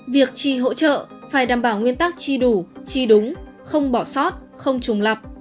việc trì hỗ trợ phải đảm bảo nguyên tắc chi đủ chi đúng không bỏ sót không trùng lập